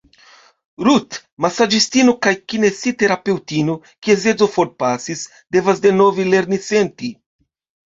Ruth, masaĝistino kaj kinesiterapeŭtino kies edzo forpasis, devas denove lerni senti.